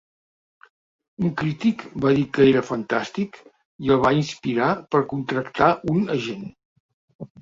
Un crític va dir que era fantàstic i el va inspirar per contractar un agent.